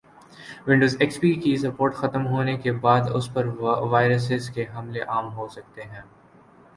Windows XP پی کی support ختم ہونے کی بعد اس پر وائرسز کے حملے عام ہوسکتے ہیں